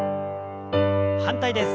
反対です。